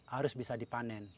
harus bisa dipanen